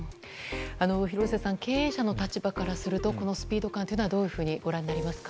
廣瀬さん経営者の立場からするとこのスピード感はどういうふうにご覧になりますか。